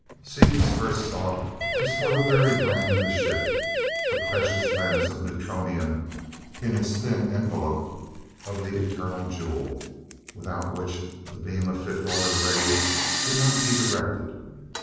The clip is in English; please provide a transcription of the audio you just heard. Seaton's first thought was for the very brain of the ship the precious lens of neutronium in its thin envelope of the eternal jewel without which the beam of fifth order rays could not be directed.